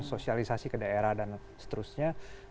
sosialisasi ke daerah dan seterusnya